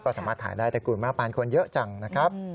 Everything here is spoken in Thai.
ก็สามารถถ่ายได้แต่กลุ่มแม่ปานคนเยอะจังนะครับ